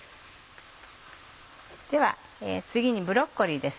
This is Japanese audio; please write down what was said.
では次にブロッコリーです。